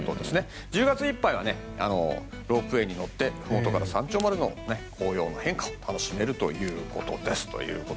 １０月いっぱいはロープウェーに乗ってふもとから山頂までの紅葉の変化を楽しめるということです。